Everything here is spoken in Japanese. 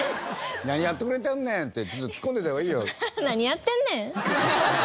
「何やってくれとんねん！」ってツッコんでおいた方がいいよ。